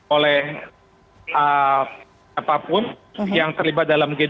oleh siapapun yang terlibat dalam g dua puluh